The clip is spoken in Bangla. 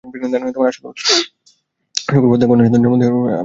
শুক্রবার রাতে কন্যাসন্তান জন্ম দেওয়ার প্রসঙ্গ তুলে তাঁকে বেদম পিটুনি দেন আশাদুল।